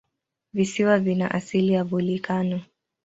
Visiwa vina asili ya volikano.